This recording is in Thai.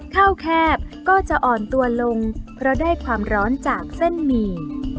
แคบก็จะอ่อนตัวลงเพราะได้ความร้อนจากเส้นหมี่